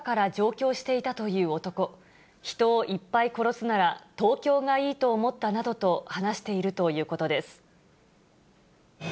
人をいっぱい殺すなら、東京がいいと思ったなどと話しているということです。